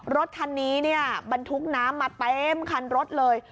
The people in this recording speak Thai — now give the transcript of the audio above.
รถคันนี้เนี่ยบรรทุกน้ำมาเต็มคันรถเลย